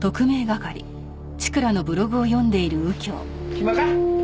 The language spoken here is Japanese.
暇か？